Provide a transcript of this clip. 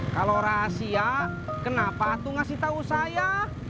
kalau rahasia kenapa aku ngasih tahu saya